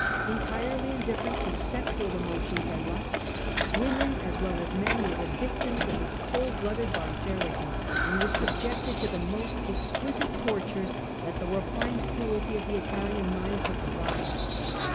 Entirely indifferent to sexual emotions and lusts, women as well as men were the victims of his cold blooded barbarity, and were subjected to the most exquisite tortures that the refined cruelty of the Italian mind could devise.